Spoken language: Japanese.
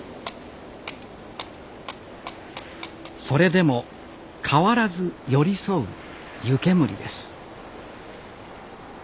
それでも変わらず寄り添う